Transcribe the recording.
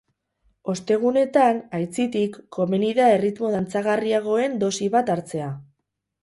Ostegunetan, aitzitik, komeni da erritmo dantzagarriagoen dosi bat hartzea.